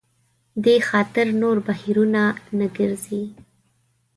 دې خاطر نور بهیرونه نه ګرځي.